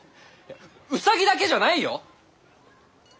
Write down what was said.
ウサギだけじゃないよ！